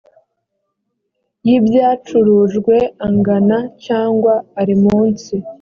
y ibyacurujwe angana cyangwa ari munsi